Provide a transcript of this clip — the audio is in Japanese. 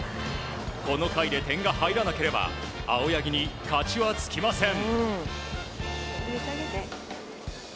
この回で点が入らなければ青柳に勝ちはつきません。